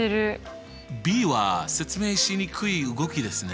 ｂは説明しにくい動きですね。